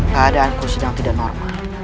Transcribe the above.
keadaanku sedang tidak normal